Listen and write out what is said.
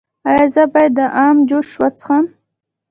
ایا زه باید د ام جوس وڅښم؟